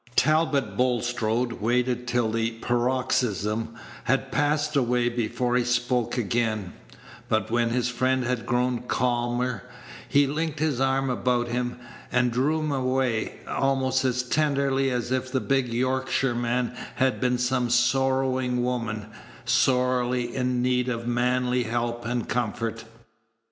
Talbot Bulstrode waited till the paroxysm had passed away before he spoke again; but when his friend had grown calmer, he linked his arm about him, and drew him away almost as tenderly as if the big Yorkshireman had been some sorrowing woman, sorely in need of manly help and comfort.